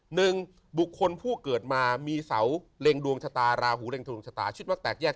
หนึ่งบุคคลผู้เกิดมามีเสาเล็งดวงชะตาราหูเร็งทะลวงชะตาชีวิตวักแตกแยก